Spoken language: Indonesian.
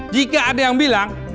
jika ada yang bilang